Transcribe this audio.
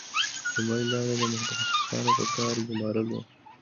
لومړۍ لار یې د متخصصانو په کار ګومارل وو